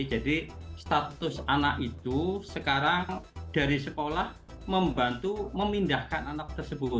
jadi status anak itu sekarang dari sekolah membantu memindahkan anak tersebut